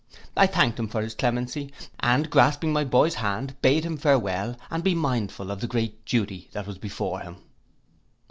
I thanked him for his clemency, and grasping my boy's hand, bade him farewell, and be mindful of the great duty that was before him.